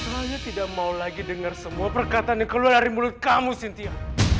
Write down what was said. saya tidak mau lagi dengar semua perkataan yang keluar dari mulut kamu cynthia